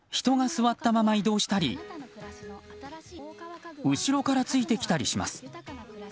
人が座ったまま移動したり後ろからついてきたりします。